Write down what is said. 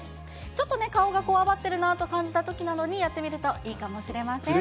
ちょっとね、顔がこわばってるなと感じたときなどにやってみるといいかもしれません。